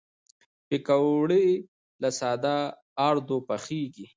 پکورې له ساده آردو پخېږي